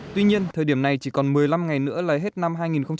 tuy nhiên thời điểm này chỉ còn một mươi năm ngày nữa là hết năm hai nghìn hai mươi